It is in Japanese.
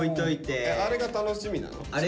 あれが楽しみなの？